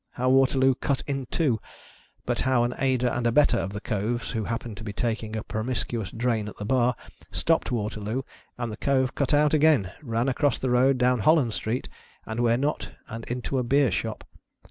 How Waterloo cut in too ; but how an aider and abettor of the Cove's, who happened to be taking a promiscuous drain at the bar, topped Waterloo ; and the Cove cut out again, ran across the road down Holland Street, and where not, and into a beershop.